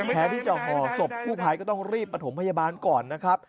แท้ว่าเจ้ของศพภูมิภายก็ต้องรีบประถมพยาบาลก่อนนะครับ